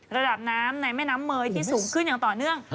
ระดับน้ำในแม่น้ำเมย์ที่สูงขึ้นอย่างต่อเนื่อง